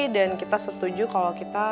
dan kita setuju kalau kita